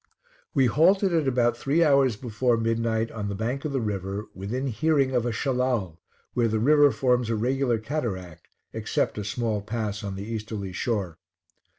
We halted at about three hours before midnight on the bank of the river, within hearing of a Shellal, where the river forms a regular cataract, except a small pass on the easterly shore.